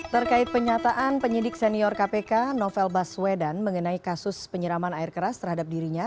terkait penyataan penyidik senior kpk novel baswedan mengenai kasus penyiraman air keras terhadap dirinya